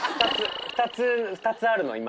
２つ２つあるの今。